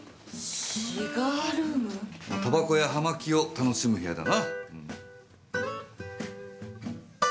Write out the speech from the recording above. タバコや葉巻を楽しむ部屋だな。